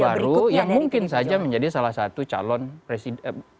baru yang mungkin saja menjadi salah satu calon presiden